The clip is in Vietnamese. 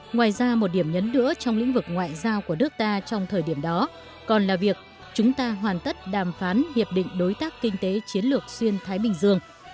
ngoài ra một điểm nhấn đỡ trong lĩnh vực ngoại giao của nước ta trong thời điểm đó còn là việc chúng ta hoàn tất đàm phán hiệp định đối tác kinh tế chiến lược xuyên thái bình dương